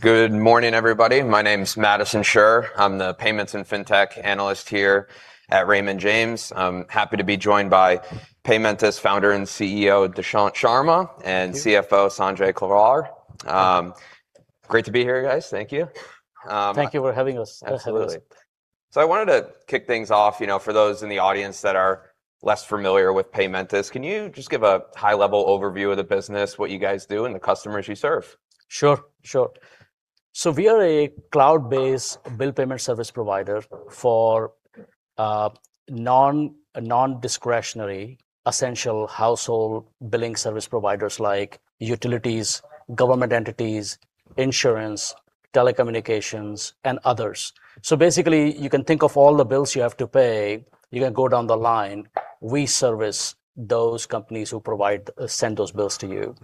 Good morning, everybody. My name's Madison Suhr. I'm the payments and fintech analyst here at Raymond James. I'm happy to be joined by Paymentus Founder and CEO, Dushyant Sharma. Thank you. CFO, Sanjay Kalra. great to be here, guys. Thank you. Thank you for having us. Absolutely. I wanted to kick things off, you know, for those in the audience that are less familiar with Paymentus, can you just give a high-level overview of the business, what you guys do, and the customers you serve? Sure. Sure. We are a cloud-based bill payment service provider for non-discretionary essential household billing service providers like utilities, government entities, insurance, telecommunications, and others. Basically, you can think of all the bills you have to pay, you can go down the line, we service those companies who send those bills to you.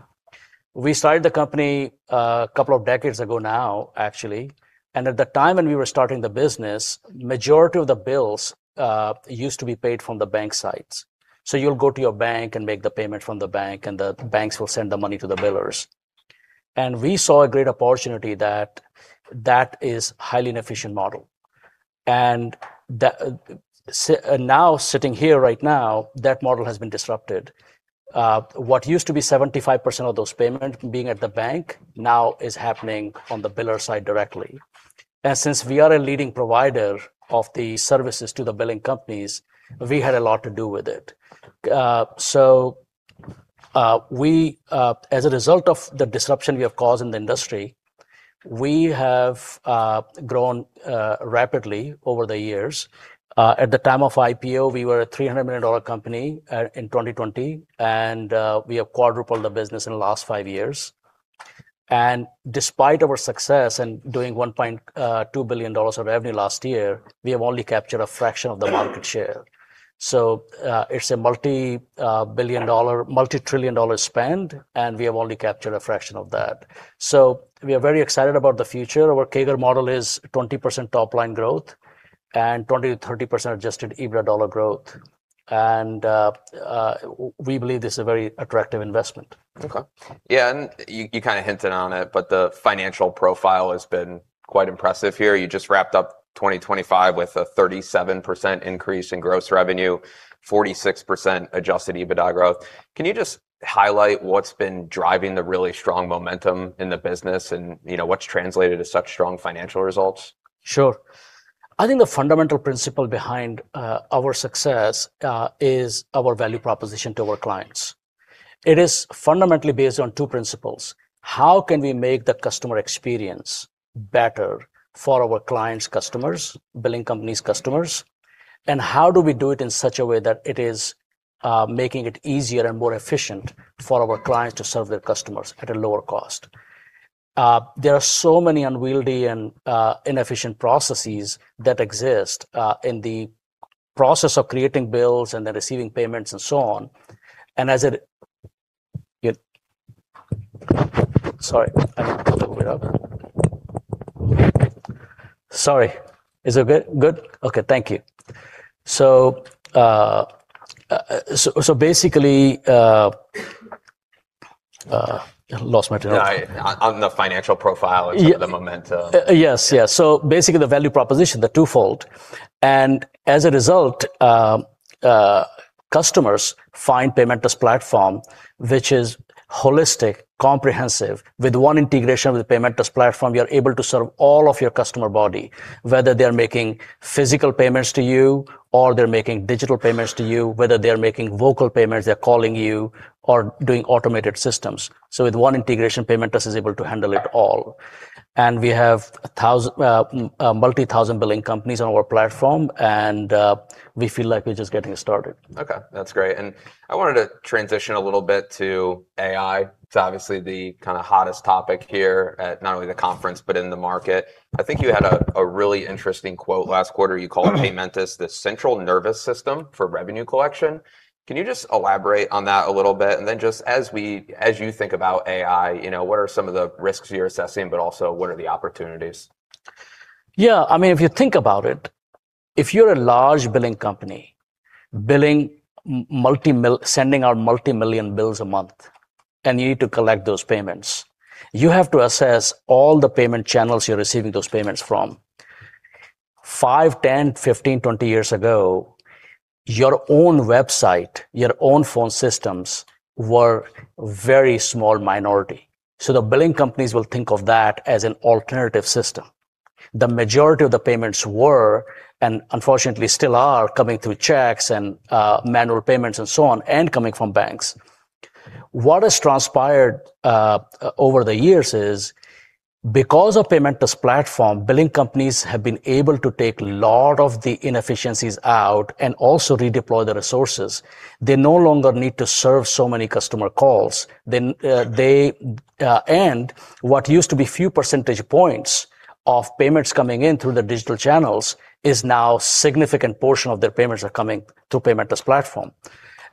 We started the company a couple of decades ago now, actually, and at the time when we were starting the business, majority of the bills used to be paid from the bank sites. You'd go to your bank and make the payment from the bank, and the banks will send the money to the billers. We saw a great opportunity that is highly inefficient model. Now sitting here right now, that model has been disrupted. What used to be 75% of those payments being at the bank now is happening from the biller side directly. Since we are a leading provider of the services to the billing companies, we had a lot to do with it. We, as a result of the disruption we have caused in the industry, we have grown rapidly over the years. At the time of IPO, we were a $300 million company in 2020, and we have quadrupled the business in the last five years. Despite our success in doing $1.2 billion of revenue last year, we have only captured a fraction of the market share. It's a multi-billion dollar, multi-trillion dollar spend, and we have only captured a fraction of that. We are very excited about the future. Our CAGR model is 20% top line growth and 20%-30% Adjusted EBITDA dollar growth. We believe this is a very attractive investment. Okay. Yeah. You, you kinda hinted on it, but the financial profile has been quite impressive here. You just wrapped up 2025 with a 37% increase in gross revenue, 46% Adjusted EBITDA growth. Can you just highlight what's been driving the really strong momentum in the business and, you know, what's translated to such strong financial results? Sure. I think the fundamental principle behind our success is our value proposition to our clients. It is fundamentally based on two principles. How can we make the customer experience better for our clients' customers, billing companies' customers? How do we do it in such a way that it is making it easier and more efficient for our clients to serve their customers at a lower cost? There are so many unwieldy and inefficient processes that exist in the process of creating bills and then receiving payments and so on. Sorry. I need to pull it up. Sorry. Is it good? Okay, thank you. Lost my train of thought. On the financial profile or some of the momentum. Yes. Basically, the value proposition, the twofold. As a result, customers find Paymentus platform, which is holistic, comprehensive. With one integration with Paymentus platform, you're able to serve all of your customer body, whether they're making physical payments to you, or they're making digital payments to you, whether they're making vocal payments, they're calling you, or doing automated systems. With one integration, Paymentus is able to handle it all. We have 1,000, multi-thousand billing companies on our platform, and we feel like we're just getting started. Okay. That's great. I wanted to transition a little bit to AI. It's obviously the kind of hottest topic here at not only the conference, but in the market. I think you had a really interesting quote last quarter. You called Paymentus- Mm-hmm ...the central nervous system for revenue collection. Can you just elaborate on that a little bit? Just as you think about AI, you know, what are some of the risks you're assessing, but also what are the opportunities? I mean, if you think about it, if you're a large billing company, billing sending out multi-million bills a month, you need to collect those payments, you have to assess all the payment channels you're receiving those payments from. 5, 10, 15, 20 years ago, your own website, your own phone systems were very small minority. The billing companies will think of that as an alternative system. The majority of the payments were, and unfortunately still are, coming through checks and manual payments and so on, and coming from banks. What has transpired over the years is because of Paymentus platform, billing companies have been able to take lot of the inefficiencies out and also redeploy the resources. They no longer need to serve so many customer calls. They, and what used to be few percentage points of payments coming in through the digital channels is now significant portion of their payments are coming to Paymentus platform.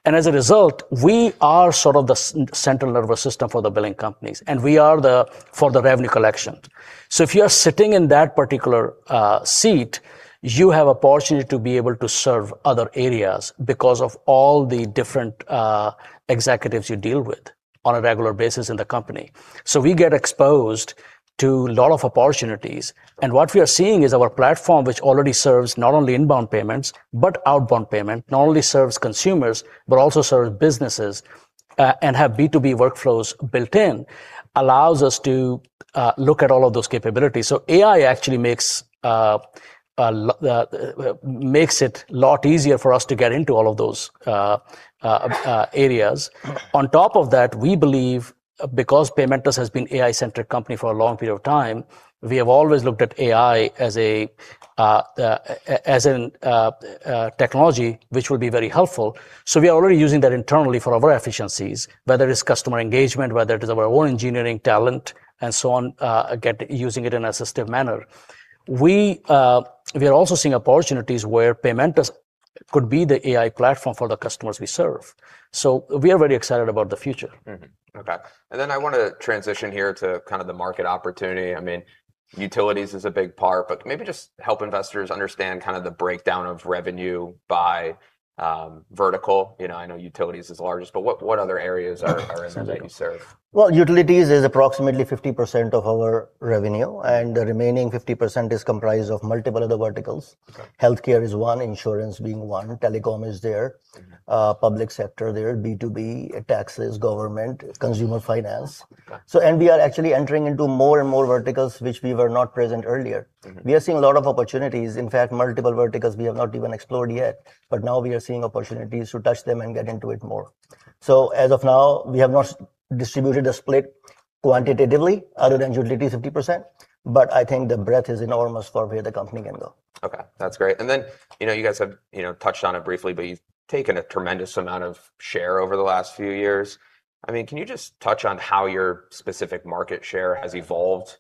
As a result, we are sort of the central nervous system for the billing companies, and we are the, for the revenue collection. If you are sitting in that particular seat, you have opportunity to be able to serve other areas because of all the different executives you deal with. On a regular basis in the company. We get exposed to a lot of opportunities, and what we are seeing is our platform, which already serves not only inbound payments but outbound payment, not only serves consumers, but also serves businesses, and have B2B workflows built in, allows us to look at all of those capabilities. AI actually makes it a lot easier for us to get into all of those areas. On top of that, we believe because Paymentus has been AI-centric company for a long period of time, we have always looked at AI as an technology which will be very helpful. We are already using that internally for our efficiencies, whether it's customer engagement, whether it is our own engineering talent and so on, using it in a assistive manner. We are also seeing opportunities where Paymentus could be the AI platform for the customers we serve. We are very excited about the future. Okay. I wanna transition here to kind of the market opportunity. I mean, utilities is a big part, but maybe just help investors understand kind of the breakdown of revenue by vertical. You know, I know utilities is the largest, but what other areas are in there that you serve? Well, utilities is approximately 50% of our revenue, and the remaining 50% is comprised of multiple other verticals. Okay. Healthcare is one, insurance being one, telecom is there. Mm-hmm. public sector there, B2B, taxes, government. Okay. Consumer finance. Okay. We are actually entering into more and more verticals which we were not present earlier. Mm-hmm. We are seeing a lot of opportunities, in fact, multiple verticals we have not even explored yet, but now we are seeing opportunities to touch them and get into it more. As of now, we have not distributed the split quantitatively other than utilities 50%, but I think the breadth is enormous for where the company can go. Okay. That's great. Then, you know, you guys have, you know, touched on it briefly, but you've taken a tremendous amount of share over the last few years. I mean, can you just touch on how your specific market share has evolved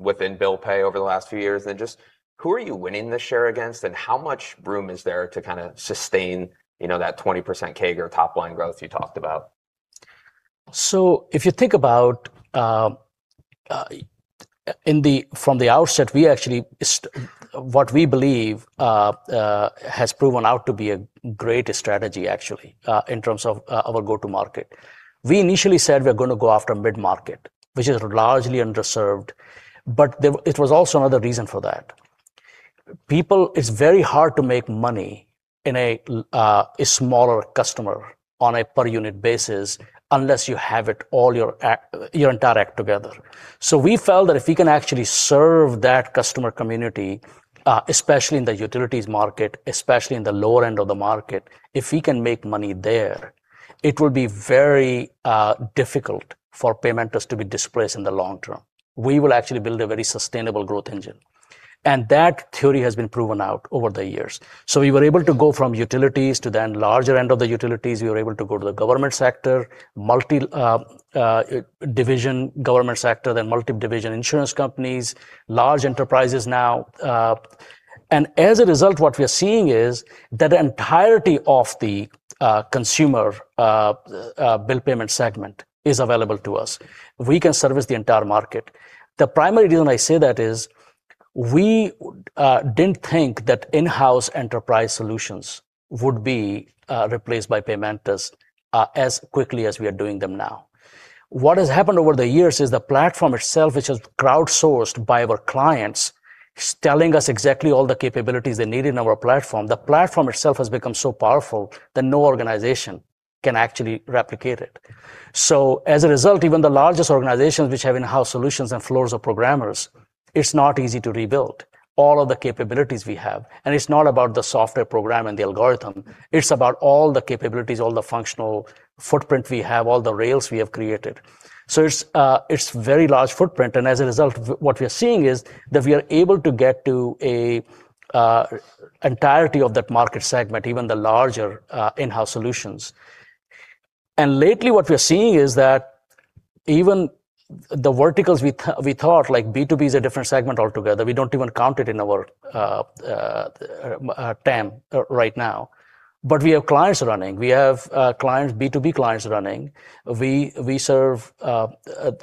within bill pay over the last few years? Then just who are you winning the share against, and how much room is there to kinda sustain, you know, that 20% CAGR top line growth you talked about? If you think about from the outset, we actually what we believe has proven out to be a great strategy actually, in terms of our go-to market. We initially said we're gonna go after mid-market, which is largely underserved, but it was also another reason for that. People. It's very hard to make money in a smaller customer on a per unit basis unless you have it all your act, your entire act together. We felt that if we can actually serve that customer community, especially in the utilities market, especially in the lower end of the market, if we can make money there, it would be very difficult for Paymentus to be displaced in the long term. We will actually build a very sustainable growth engine. That theory has been proven out over the years. We were able to go from utilities to the larger end of the utilities. We were able to go to the government sector, multi-division government sector, then multiple division insurance companies, large enterprises now. As a result, what we are seeing is that the entirety of the consumer bill payment segment is available to us. We can service the entire market. The primary reason I say that is we didn't think that in-house enterprise solutions would be replaced by Paymentus as quickly as we are doing them now. What has happened over the years is the platform itself, which is crowdsourced by our clients, is telling us exactly all the capabilities they need in our platform. The platform itself has become so powerful that no organization can actually replicate it. As a result, even the largest organizations which have in-house solutions and floors of programmers, it's not easy to rebuild all of the capabilities we have. It's not about the software program and the algorithm. It's about all the capabilities, all the functional footprint we have, all the rails we have created. It's, it's very large footprint, and as a result, what we are seeing is that we are able to get to a entirety of that market segment, even the larger in-house solutions. Lately what we are seeing is that even the verticals we thought, like B2B is a different segment altogether, we don't even count it in our TAM right now. We have clients running. We have clients, B2B clients running. We serve,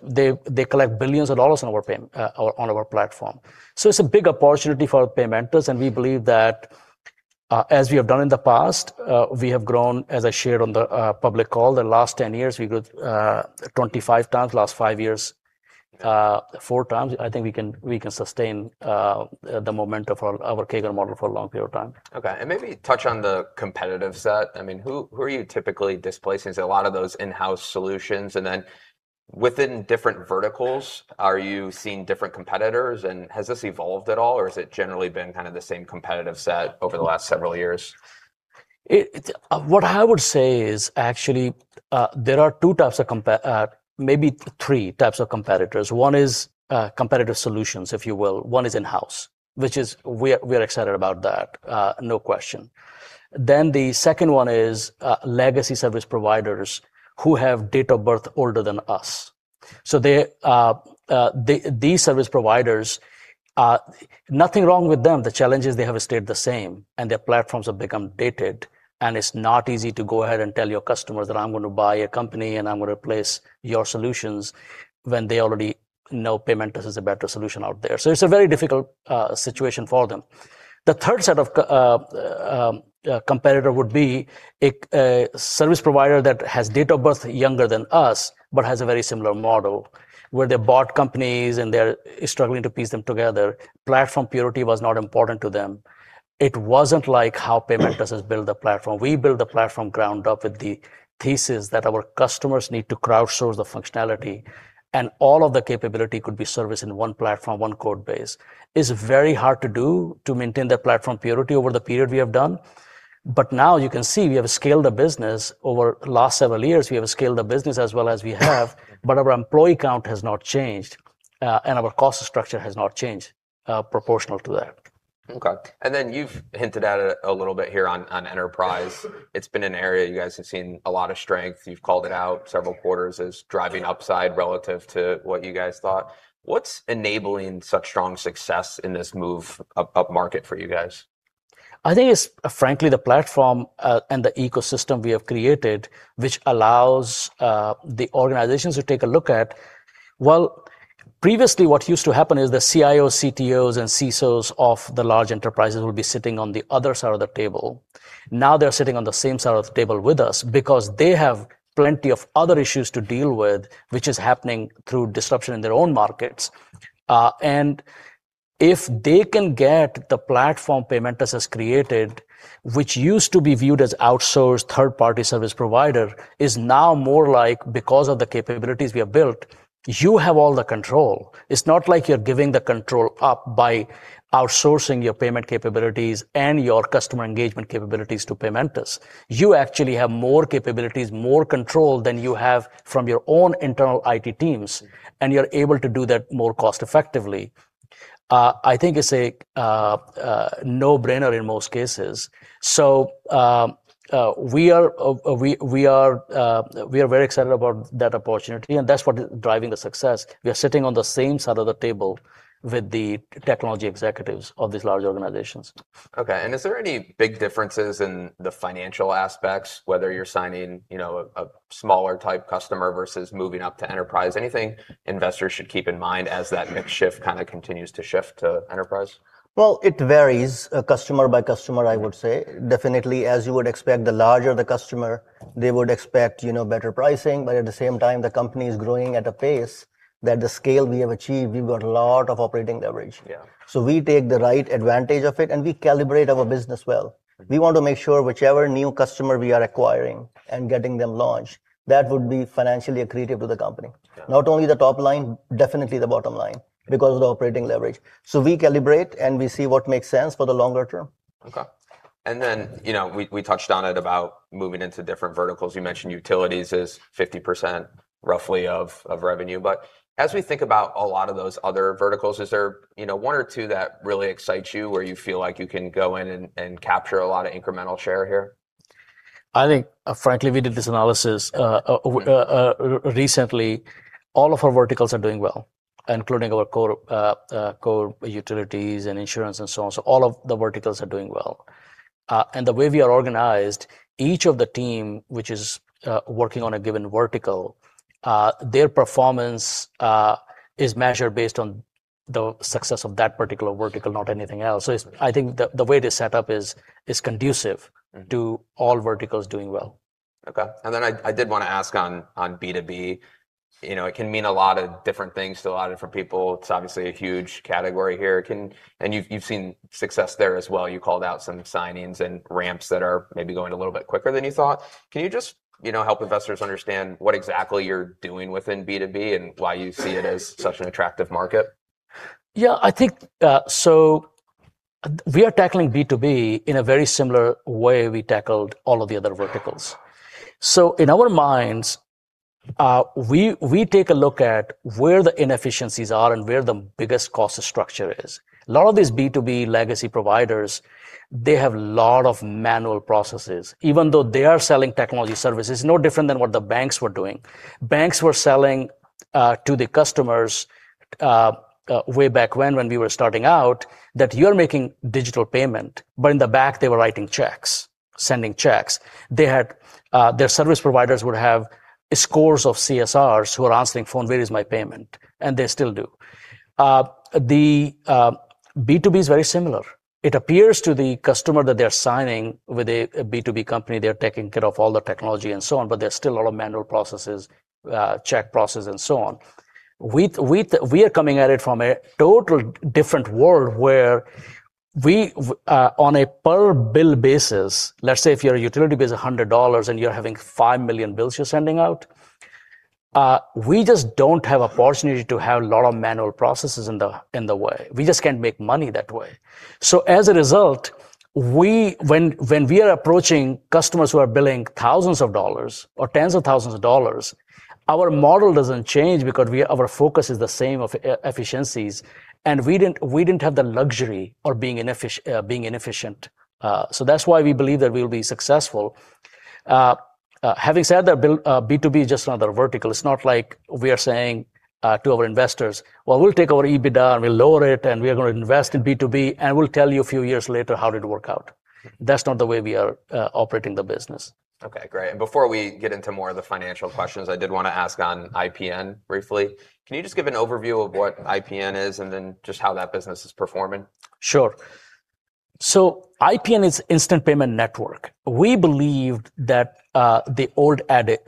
they collect billions of dollars on our pay on our platform. It's a big opportunity for Paymentus, and we believe that as we have done in the past, we have grown, as I shared on the public call, the last 10 years, we grew 25 times, last 5 years, four times. I think we can sustain the momentum of our CAGR model for a long period of time. Okay. Maybe touch on the competitive set. I mean, who are you typically displacing? A lot of those in-house solutions and then within different verticals, are you seeing different competitors? Has this evolved at all, or has it generally been kinda the same competitive set over the last several years? What I would say is actually, there are two types of maybe three types of competitors. One is, competitive solutions, if you will. One is in-house, which is we are excited about that, no question. The second one is, legacy service providers who have date of birth older than us. They, these service providers, nothing wrong with them. The challenge is they have stayed the same, and their platforms have become dated. It's not easy to go ahead and tell your customers that I'm going to buy a company, and I'm gonna replace your solutions when they already know Paymentus has a better solution out there. It's a very difficult situation for them. The third set of competitor would be a service provider that has date of birth younger than us but has a very similar model, where they bought companies, and they're struggling to piece them together. Platform purity was not important to them. It wasn't like how Paymentus has built the platform. We built the platform ground up with the thesis that our customers need to crowdsource the functionality, and all of the capability could be serviced in one platform, one code base. It's very hard to do to maintain the platform purity over the period we have done. Now you can see we have scaled the business over last several years, we have scaled the business as well as we have, but our employee count has not changed, and our cost structure has not changed proportional to that. Okay. You've hinted at it a little bit here on enterprise. It's been an area you guys have seen a lot of strength. You've called it out several quarters as driving upside relative to what you guys thought. What's enabling such strong success in this move up market for you guys? I think it's frankly the platform, and the ecosystem we have created, which allows the organizations to take a look at. Well, previously, what used to happen is the CIO, CTOs, and CSOs of the large enterprises would be sitting on the other side of the table. Now they're sitting on the same side of the table with us because they have plenty of other issues to deal with, which is happening through disruption in their own markets. If they can get the platform Paymentus has created, which used to be viewed as outsourced third-party service provider, is now more like, because of the capabilities we have built, you have all the control. It's not like you're giving the control up by outsourcing your payment capabilities and your customer engagement capabilities to Paymentus. You actually have more capabilities, more control than you have from your own internal IT teams. You're able to do that more cost effectively. I think it's a no-brainer in most cases. We are very excited about that opportunity. That's what is driving the success. We are sitting on the same side of the table with the technology executives of these large organizations. Okay. Is there any big differences in the financial aspects, whether you're signing, you know, a smaller type customer versus moving up to enterprise? Anything investors should keep in mind as that mix shift kind of continues to shift to enterprise? It varies, customer by customer, I would say. Definitely, as you would expect, the larger the customer, they would expect, you know, better pricing, but at the same time, the company is growing at a pace that the scale we have achieved, we've got a lot of operating leverage. Yeah. We take the right advantage of it, and we calibrate our business well. We want to make sure whichever new customer we are acquiring and getting them launched, that would be financially accretive to the company. Yeah. Not only the top line, definitely the bottom line because of the operating leverage. We calibrate, and we see what makes sense for the longer term. Okay. You know, we touched on it about moving into different verticals. You mentioned utilities is 50% roughly of revenue. As we think about a lot of those other verticals, is there, you know, one or two that really excite you, where you feel like you can go in and capture a lot of incremental share here? I think, frankly, we did this analysis recently. All of our verticals are doing well, including our core utilities and insurance and so on. All of the verticals are doing well. The way we are organized, each of the team which is working on a given vertical, their performance is measured based on the success of that particular vertical, not anything else. I think the way it is set up is conducive, Mm. to all verticals doing well. Okay. I did wanna ask on B2B. You know, it can mean a lot of different things to a lot of different people. It's obviously a huge category here. You've seen success there as well. You called out some signings and ramps that are maybe going a little bit quicker than you thought. Can you just, you know, help investors understand what exactly you're doing within B2B and why you see it as such an attractive market? Yeah, I think, we are tackling B2B in a very similar way we tackled all of the other verticals. In our minds, we take a look at where the inefficiencies are and where the biggest cost structure is. A lot of these B2B legacy providers, they have lot of manual processes, even though they are selling technology services, no different than what the banks were doing. Banks were selling to the customers way back when we were starting out, that you're making digital payment, in the back, they were writing checks, sending checks. They had their service providers would have scores of CSRs who are answering phone, "Where is my payment?" They still do. The B2B is very similar. It appears to the customer that they're signing with a B2B company, they're taking care of all the technology and so on, but there's still a lot of manual processes, check process and so on. We are coming at it from a total different world where we, on a per bill basis, let's say if your utility bill is $100, and you're having 5 million bills you're sending out, we just don't have a opportunity to have a lot of manual processes in the way. We just can't make money that way. As a result, when we are approaching customers who are billing thousands of dollars or tens of thousands of dollars, our model doesn't change because our focus is the same of efficiencies, and we didn't have the luxury of being inefficient. That's why we believe that we'll be successful. Having said that B2B is just another vertical. It's not like we are saying to our investors, "Well, we'll take our EBITDA, and we'll lower it, and we are gonna invest in B2B, and we'll tell you a few years later how did it work out. Mm-hmm. That's not the way we are operating the business. Okay, great. Before we get into more of the financial questions, I did wanna ask on IPN briefly. Can you just give an overview of what IPN is and then just how that business is performing? Sure. IPN is Instant Payment Network. We believed that the old adage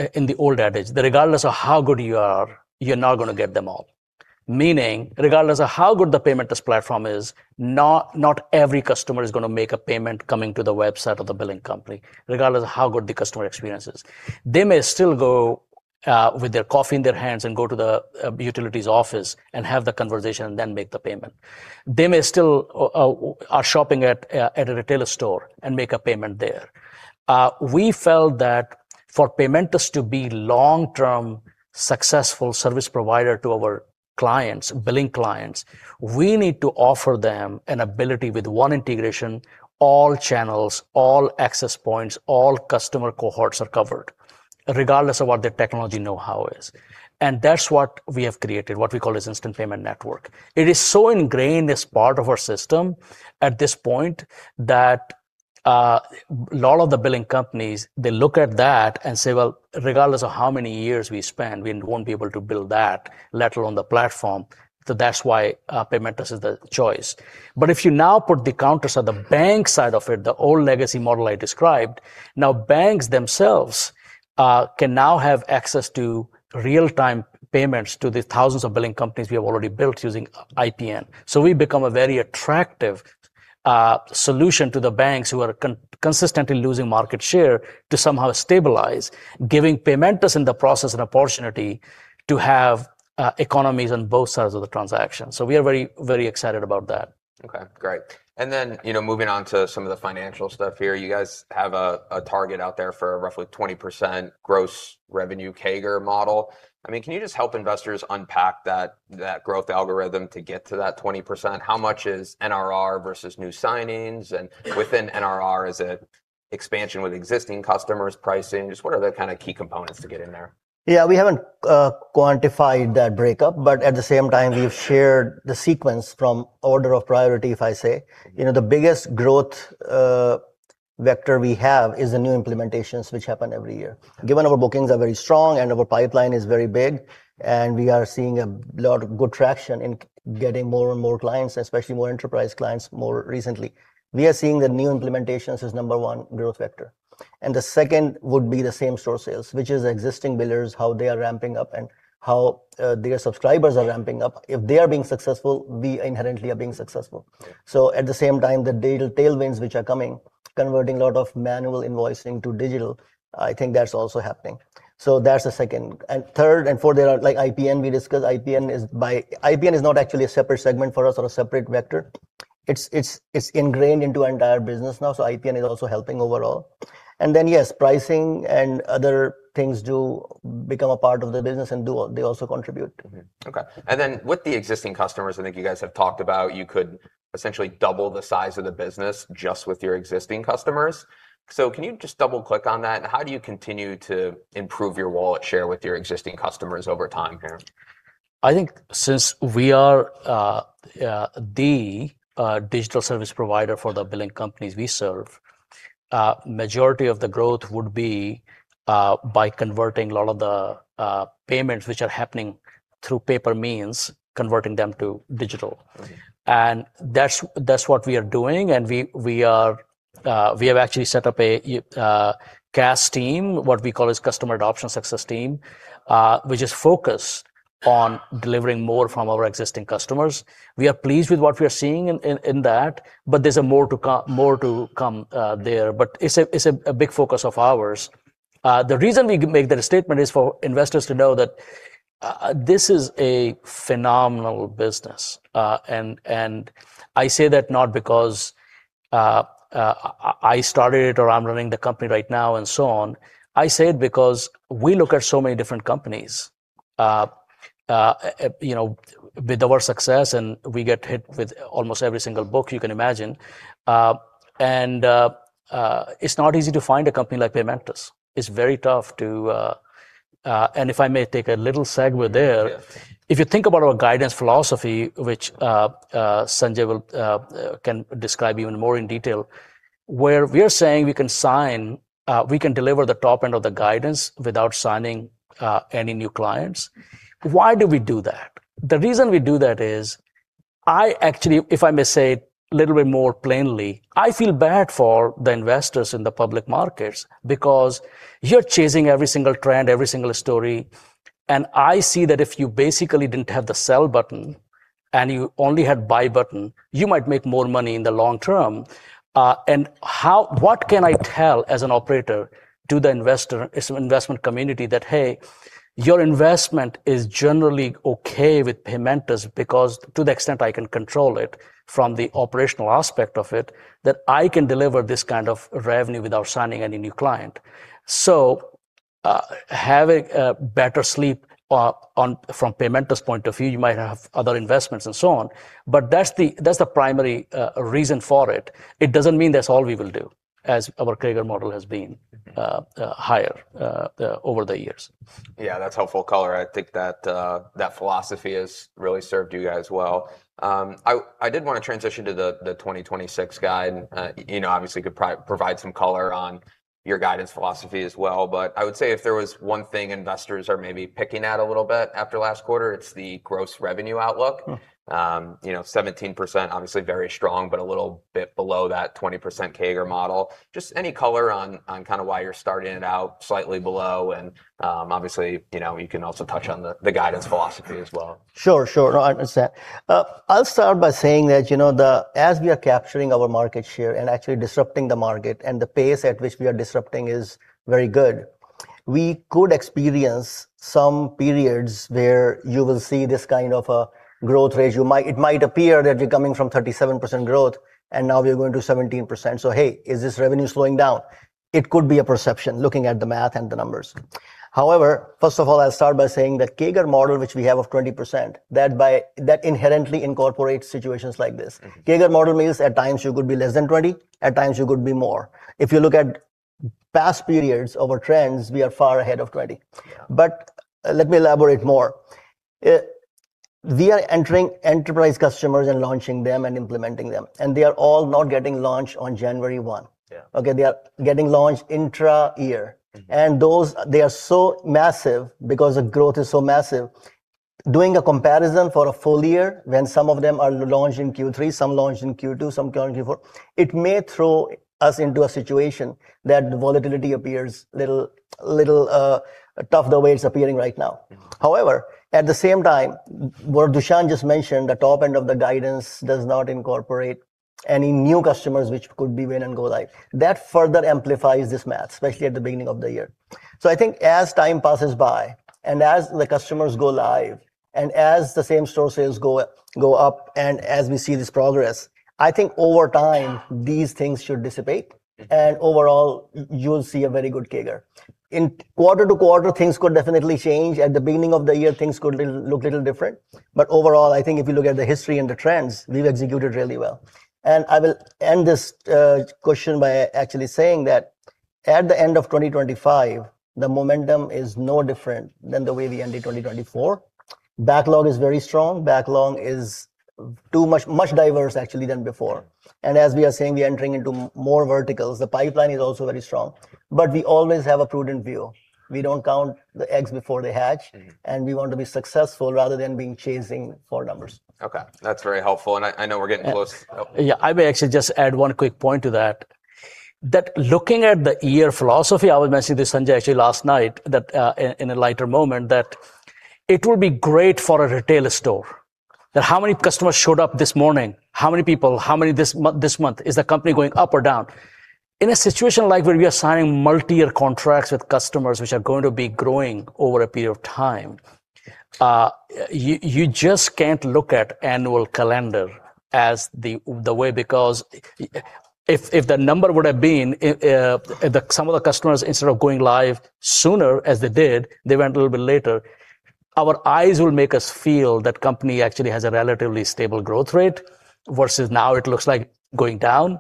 that regardless of how good you are, you're not gonna get them all. Meaning, regardless of how good the Paymentus platform is, not every customer is gonna make a payment coming to the website of the billing company, regardless of how good the customer experience is. They may still go, with their coffee in their hands and go to the utilities office and have the conversation, then make the payment. They may still are shopping at a retailer store and make a payment there. We felt that for Paymentus to be long-term successful service provider to our clients, billing clients, we need to offer them an ability with one integration, all channels, all access points, all customer cohorts are covered regardless of what their technology know-how is. That's what we have created, what we call as Instant Payment Network. It is so ingrained as part of our system at this point that, lot of the billing companies, they look at that and say, "Well, regardless of how many years we spend, we won't be able to build that, let alone the platform. That's why Paymentus is the choice. If you now put the counters on the bank side of it, the old legacy model I described, now banks themselves can now have access to real-time payments to the thousands of billing companies we have already built using IPN. We've become a very attractive solution to the banks who are consistently losing market share to somehow stabilize, giving Paymentus in the process an opportunity to have economies on both sides of the transaction. We are very, very excited about that. Okay, great. you know, moving on to some of the financial stuff here. You guys have a target out there for a roughly 20% gross revenue CAGR model. can you just help investors unpack that growth algorithm to get to that 20%? How much is NRR versus new signings? Within NRR, is it expansion with existing customers, pricing? Just what are the kind of key components to get in there? Yeah. We haven't quantified that breakup, but at the same time, we've shared the sequence from order of priority, if I say. You know, the biggest growth vector we have is the new implementations which happen every year. Given our bookings are very strong and our pipeline is very big, and we are seeing a lot of good traction in getting more and more clients, especially more enterprise clients more recently. We are seeing the new implementations as number one growth vector. The second would be the same-store sales, which is existing billers, how they are ramping up, and how their subscribers are ramping up. If they are being successful, we inherently are being successful. At the same time, the data tailwinds which are coming, converting a lot of manual invoicing to digital, I think that's also happening. That's the second. Third and fourth, there are like IPN. We discussed IPN is not actually a separate segment for us or a separate vector. It's ingrained into our entire business now. IPN is also helping overall. Yes, pricing and other things do become a part of the business and they also contribute. Okay. With the existing customers, I think you guys have talked about you could essentially double the size of the business just with your existing customers. Can you just double-click on that? How do you continue to improve your wallet share with your existing customers over time here? I think since we are the digital service provider for the billing companies we serve, majority of the growth would be by converting a lot of the payments which are happening through paper means, converting them to digital. Okay. That's what we are doing, and we are actually set up a CAS team, what we call as Customer Adoption Success Team, which is focused on delivering more from our existing customers. We are pleased with what we are seeing in that, but there's more to come there. It's a big focus of ours. The reason we make that statement is for investors to know that this is a phenomenal business. And I say that not because I started it or I'm running the company right now and so on. I say it because we look at so many different companies, you know, with our success, and we get hit with almost every single book you can imagine. It's not easy to find a company like Paymentus. It's very tough to. If I may take a little segue there. Yeah. If you think about our guidance philosophy, which Sanjay will can describe even more in detail, where we are saying we can sign, we can deliver the top end of the guidance without signing any new clients. Why do we do that? The reason we do that is I actually, if I may say it little bit more plainly, I feel bad for the investors in the public markets because you're chasing every single trend, every single story, and I see that if you basically didn't have the sell button and you only had buy button, you might make more money in the long term. what can I tell as an operator to the investor, as an investment community that, "Hey, your investment is generally okay with Paymentus because to the extent I can control it from the operational aspect of it, that I can deliver this kind of revenue without signing any new client. Having better sleep from Paymentus point of view, you might have other investments and so on, but that's the primary reason for it. It doesn't mean that's all we will do, as our CAGR model has been- Mm-hmm... higher over the years. That's helpful color. I think that philosophy has really served you guys well. I did wanna transition to the 2026 guide. You know, obviously could provide some color on your guidance philosophy as well, but I would say if there was one thing investors are maybe picking at a little bit after last quarter, it's the gross revenue outlook. Mm. You know, 17%, obviously very strong, but a little bit below that 20% CAGR model. Just any color on kinda why you're starting it out slightly below and, obviously, you know, you can also touch on the guidance philosophy as well. Sure. No, I understand. I'll start by saying that, you know, as we are capturing our market share and actually disrupting the market, and the pace at which we are disrupting is very good, we could experience some periods where you will see this kind of a growth rate. It might appear that we're coming from 37% growth, and now we're going to 17%, hey, is this revenue slowing down? It could be a perception looking at the math and the numbers. However, first of all, I'll start by saying that CAGR model which we have of 20%, that inherently incorporates situations like this. Mm-hmm. CAGR model means at times you could be less than 20%, at times you could be more. If you look at past periods of our trends, we are far ahead of 20%. Yeah. Let me elaborate more. We are entering enterprise customers and launching them and implementing them, and they are all not getting launched on January 1. Yeah. Okay? They are getting launched intra-year. Mm-hmm. Those, they are so massive because the growth is so massive, doing a comparison for a full year when some of them are launched in Q3, some launch in Q2, some launch in Q4, it may throw us into a situation that the volatility appears little, tough the way it's appearing right now. Mm-hmm. At the same time, what Dushyant just mentioned, the top end of the guidance does not incorporate any new customers which could be win and go live. That further amplifies this math, especially at the beginning of the year. I think as time passes by, and as the customers go live, and as the same-store sales go up, and as we see this progress, I think over time these things should dissipate. Mm-hmm. Overall, you'll see a very good CAGR. In quarter to quarter, things could definitely change. At the beginning of the year, things could look little different. Overall, I think if you look at the history and the trends, we've executed really well. I will end this question by actually saying that at the end of 2025, the momentum is no different than the way we ended 2024. Backlog is very strong. Backlog is too much diverse, actually, than before. Yeah. As we are saying, we are entering into more verticals. The pipeline is also very strong. We always have a prudent view. We don't count the eggs before they hatch. Mm-hmm. We want to be successful rather than being chasing for numbers. Okay. That's very helpful, and I know we're getting close. Yeah. I may actually just add one quick point to that looking at the year philosophy, I was mentioning this, Sanjay, actually last night that, in a lighter moment that it will be great for a retail store that how many customers showed up this morning, how many people, how many this month? Is the company going up or down? In a situation like where we are signing multi-year contracts with customers which are going to be growing over a period of time, you just can't look at annual calendar as the way, because if the number would have been the, some of the customers instead of going live sooner, as they did, they went a little bit later, our eyes will make us feel that company actually has a relatively stable growth rate versus now it looks like going down.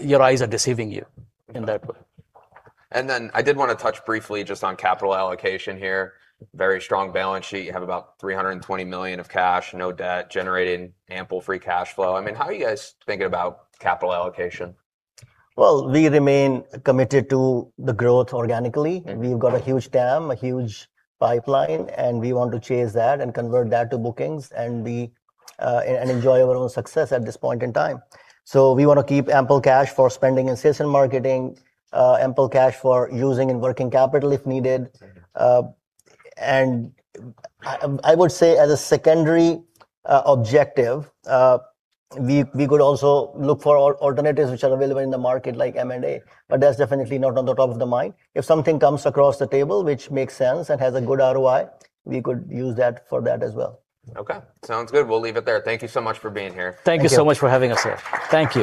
Your eyes are deceiving you in that way. I did wanna touch briefly just on capital allocation here. Very strong balance sheet. You have about $320 million of cash, no debt, generating ample free cash flow. I mean, how are you guys thinking about capital allocation? Well, we remain committed to the growth organically. Mm-hmm. We've got a huge TAM, a huge pipeline, and we want to chase that and convert that to bookings and be and enjoy our own success at this point in time. We wanna keep ample cash for spending in sales and marketing, ample cash for using in working capital if needed. Mm-hmm. I would say as a secondary objective, we could also look for alternatives which are available in the market like M&A, but that's definitely not on the top of mind. If something comes across the table which makes sense and has a good ROI, we could use that for that as well. Okay. Sounds good. We'll leave it there. Thank you so much for being here. Thank you. Thank you so much for having us here. Thank you.